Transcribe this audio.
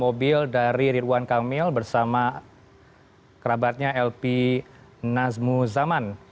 mobil dari ridwan kamil bersama kerabatnya lp nazmu zaman